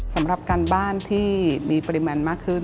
สำหรับการบ้านที่มีปริมาณมากขึ้น